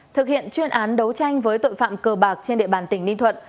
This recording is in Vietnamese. thực hiện chuyên án đấu tranh với tội phạm cờ bạc trên địa bàn tỉnh ninh thuận